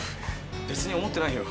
別に思ってないよ。